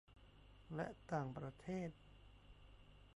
และต่างประเทศ